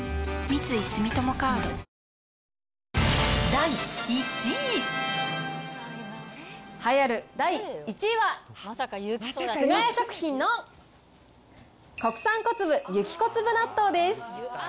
第１位。はえある第１位は、菅谷食品の国産小粒雪こつぶ納豆です。